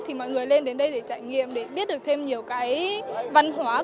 thì mọi người lên đến đây để trải nghiệm để biết được thêm nhiều cái văn hóa